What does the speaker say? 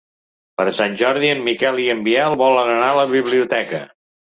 Per Sant Jordi en Miquel i en Biel volen anar a la biblioteca.